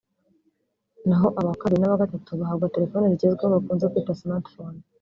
naho aba kabiri n’aba gatatu bahabwa terefone zigezweho bakunze kwita smart phone